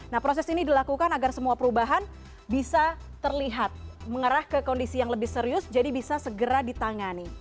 nah proses ini dilakukan agar semua perubahan bisa terlihat mengarah ke kondisi yang lebih serius jadi bisa segera ditangani